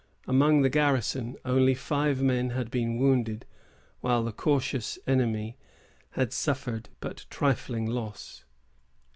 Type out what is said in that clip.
Among the garrison, only five men had been wounded, while the cautious enemy had suffered but trifling loss.